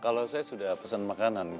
kalau saya sudah pesenin saya udah pesenin